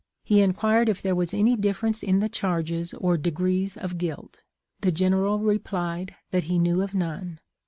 He enquired if there was any difference in the charges or degrees of guilt. The General replied that he knew of none.